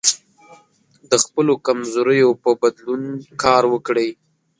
د خپلو کمزوریو په بدلون کار وکړئ.